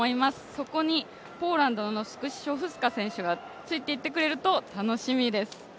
そこにポーランドのスクシショフスカ選手がついていってくれると楽しみです。